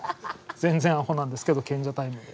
全然あほなんですけど賢者タイムで。